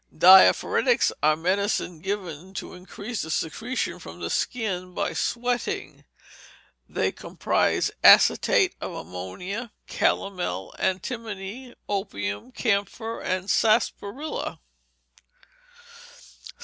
Diaphoretics are medicines given to increase the secretion from the skin by sweating. They comprise acetate of ammonia, calomel, antimony, opium, camphor, sarsaparilla. 757.